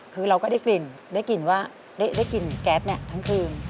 คือเราก็ได้กลิ่นได้กลิ่นว่าได้กลิ่นแก๊สทั้งคืน